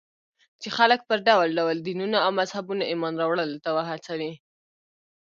چې خلک پر ډول ډول دينونو او مذهبونو ايمان راوړلو ته وهڅوي.